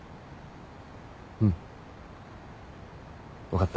うん分かった。